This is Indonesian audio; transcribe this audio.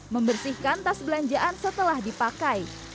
membersihkan tas belanjaan setelah dipakai